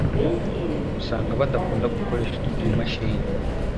usanga badakunda gukoresha utu tumashini,